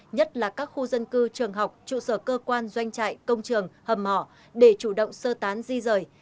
nhất là các khu dân cư trường học trụ sở cơ quan doanh trại công trường hầm mỏ để chủ động sơ tán di rời